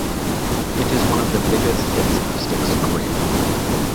It is one of the biggest hits of Styx's career.